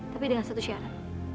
tapi dengan satu syarat